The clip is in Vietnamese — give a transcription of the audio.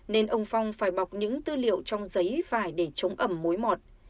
nên ông phong phải bọc những tư liệu trong giấy phải để chống ẩm mối mọt